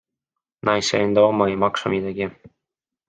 Naise enda oma ei maksa midagi?